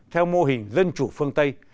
theo mô hình dân chủ phương tây